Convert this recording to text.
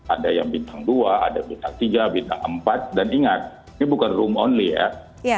ada yang bintang dua ada bintang tiga bintang empat dan ingat ini bukan room only ya